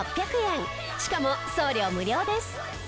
しかも送料無料です。